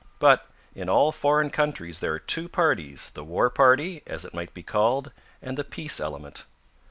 But, in all foreign countries there are two parties, the war party, as it might be called, and the peace element.